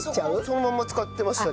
そのまんま使ってましたけど。